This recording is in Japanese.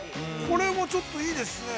◆これも、ちょっといいですね。